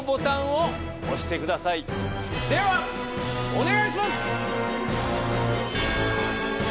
ではお願いします！